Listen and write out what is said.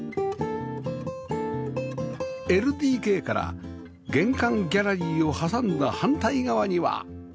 ＬＤＫ から玄関ギャラリーを挟んだ反対側には？